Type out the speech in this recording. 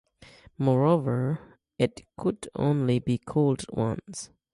Moreover, it could only be cooled once.